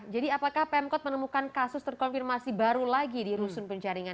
jadi apakah pemkot menemukan kasus terkonfirmasi baru lagi di rusun penjaringan